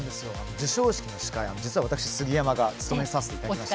授賞式の司会は実は私杉山が務めさせていただきました。